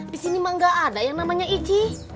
di sini ma gak ada yang namanya ici